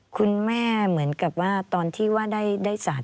เหมือนกับว่าตอนที่ว่าได้สาร